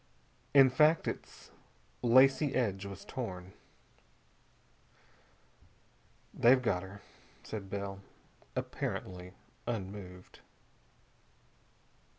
In fact, its lacy edge was torn. "They've got her," said Bell, apparently unmoved.